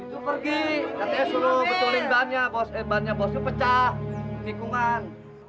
itu pergi katanya suruh keculingannya bannya bosnya pecah lingkungan